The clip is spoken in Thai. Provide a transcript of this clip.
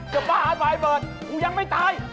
จะบ้าหาปลายเปิดกูยังไม่ตาย